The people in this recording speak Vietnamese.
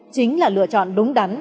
chính là lựa chọn đúng đắn